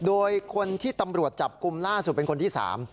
โดยคนที่ตำรวจจับกลุ่มล่าสุดเป็นคนที่๓